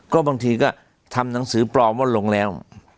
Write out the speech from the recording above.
ก็บางทีก็ทำหนังสือปลอมว่าลงแล้ว